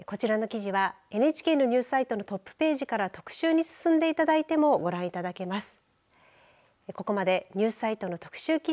こちらの記事はＮＨＫのニュースサイトのトップページから特集に進んでいただいてもご覧いただけます。